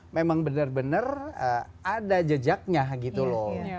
memang benar benar ada jejaknya gitu loh